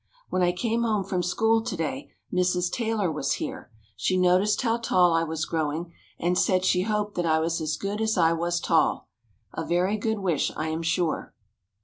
When I came home from school to day Mrs. Taylor was here. She noticed how tall I was growing and said she hoped that I was as good as I was tall. A very good wish, I am sure.